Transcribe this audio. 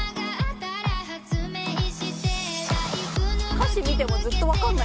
歌詞見てもずっと分かんない。